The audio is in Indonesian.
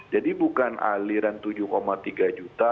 jadi bukan aliran tujuh tiga juta